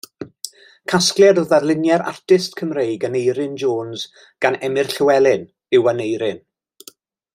Casgliad o ddarluniau'r artist Cymreig Aneurin Jones gan Emyr Llywelyn yw Aneurin.